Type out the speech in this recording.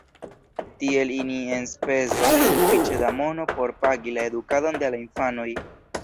Tiel ili enspezas sufiĉe da mono por pagi la edukadon de la infanoj.